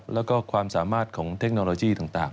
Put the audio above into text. แล้วก็ความสามารถของเทคโนโลยีต่าง